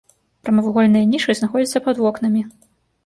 Прамавугольныя нішы знаходзяцца пад вокнамі.